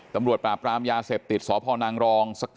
ตำรวจปราบรามยาเสพติดสพนางรอง